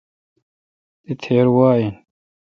تی تھیر وا این۔